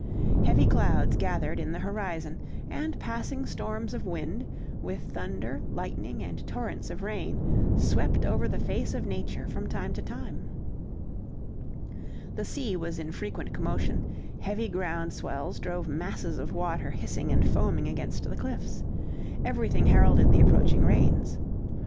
Heavy clouds gathered in the horizon, and passing storms of wind, with thunder, lightning, and torrents of rain swept over the face of nature from time to time. The sea was in frequent commotion; heavy ground swells drove masses of water hissing and foaming against the cliffs. Everything heralded the approaching rains.